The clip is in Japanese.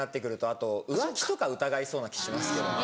あと浮気とか疑いそうな気しますけどね。